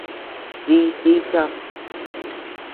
Dí bíchad.